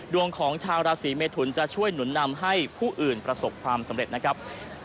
ดวงของชาวราศีเมทุนจะช่วยหนุนนำให้ผู้อื่นประสบความสำเร็จนะครับ